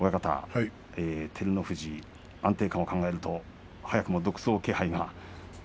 照ノ富士の安定感を考えると早くも独走気配が。